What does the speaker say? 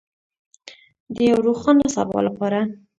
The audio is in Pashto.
د یو روښانه سبا لپاره.